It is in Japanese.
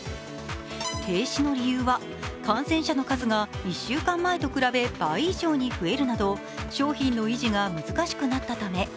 停止の理由は、感染者の数が１週間前と比べ倍以上に増えるなど商品の維持が難しくなったため。